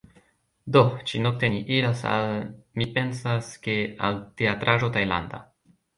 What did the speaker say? Do, ĉi-nokte ni iras al... mi pensas, ke al teatraĵo tajlanda